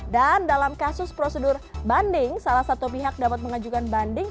dan dalam kasus prosedur banding salah satu pihak dapat mengajukan banding